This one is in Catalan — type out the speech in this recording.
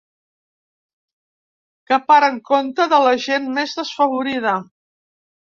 Que paren compte de la gent més desafavorida.